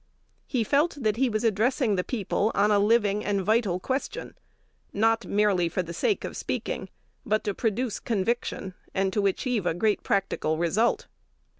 He felt that he was addressing the people on a living and vital question, not merely for the sake of speaking, but to produce conviction, and achieve a great practical result.